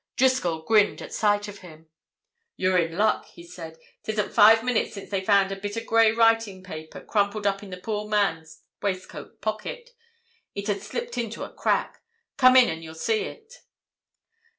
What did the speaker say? Driscoll grinned at sight of him. "You're in luck," he said. "'Tisn't five minutes since they found a bit of grey writing paper crumpled up in the poor man's waistcoat pocket—it had slipped into a crack. Come in, and you'll see it."